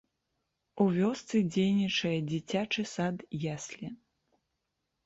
У вёсцы дзейнічае дзіцячы сад-яслі.